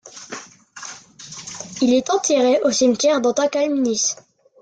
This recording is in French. Il est enterré au cimetière d'Antakalnis.